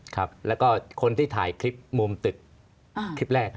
ครับแล้วก็คนที่ถ่ายคลิปมุมตึกคลิปแรก